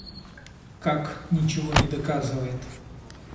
Как ничего не доказывает?